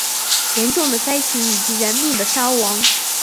严重的灾情以及人命的伤亡